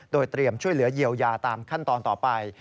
โดยเตรียมช่วยเหลือเยียวยาตามขั้นตอนต่อไป